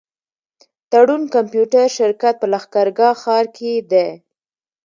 تړون کمپيوټر شرکت په لښکرګاه ښار کي دی.